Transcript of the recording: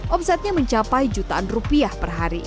omsetnya mencapai jutaan rupiah per hari